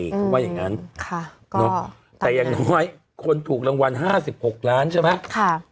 เขาว่าอย่างนั้นแต่อย่างน้อยคนถูกรางวัล๕๖ล้านใช่ไหม